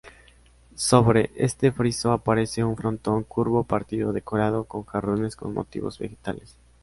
Sobre este friso aparece un frontón curvo partido decorado con jarrones con motivos vegetales.